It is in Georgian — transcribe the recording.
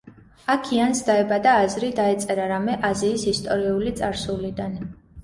აქ იანს დაებადა აზრი, დაეწერა რამე აზიის ისტორიული წარსულიდან.